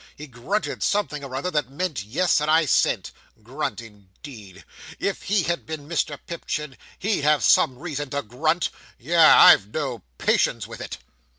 He grunted something or other that meant yes, and I sent. Grunt indeed! If he had been Mr Pipchin, he'd have had some reason to grunt. Yah! I've no patience with it!"